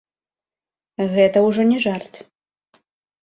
Гэта ўжо не жарт.